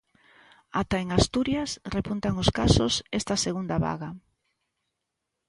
Ata en Asturias repuntan os casos esta segunda vaga.